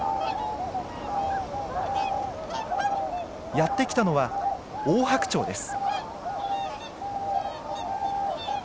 やって来たのはオオハクチョウです。